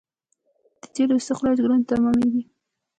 د تیلو استخراج ګران تمامېږي.